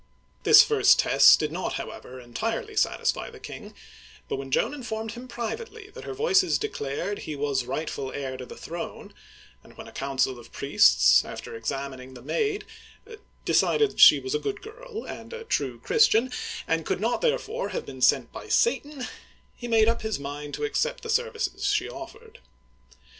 This first test did not, however, entirely satisfy the king, but when Joan informed him privately that her voices de clared he was rightful heir to the throne, and when a uigiTizea Dy vjiOOQlC igo OLD FRANCE council of priests, after examining the Maid, decided that she was a good giri and a true Christian, and could not therefore have been sent by Satan, he made up his mind to accept the services she offered.